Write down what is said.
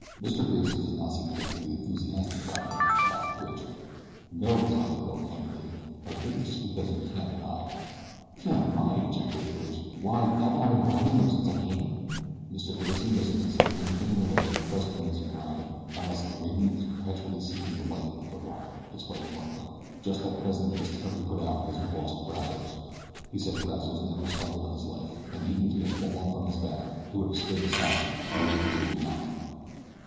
"Mr. Grayson does not seem particularly enthusiastic about me," laughed Bridge. "No," replied the girl, candidly; "but I think it's just because you can't ride." "Can't ride!" ejaculated Bridge. "Why, haven't I been riding ever since I came here?" "Mr. Grayson doesn't consider anything in the way of equestrianism riding unless the ridden is perpetually seeking the life of the rider," explained Barbara. "Just at present he is terribly put out because you lost Brazos. He says Brazos never stumbled in his life, and even if you had fallen from his back he would have stood beside you waiting for you to remount him.